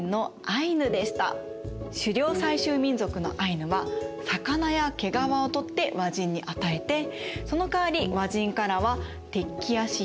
狩猟採集民族のアイヌは魚や毛皮を取って和人に与えてそのかわり和人からは鉄器や漆器お米お茶